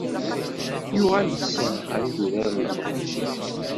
Yuɣal-d sser ɣer idurar n leqbayel.